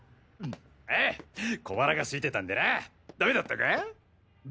ああ小腹が空いてたんでなダメだったか？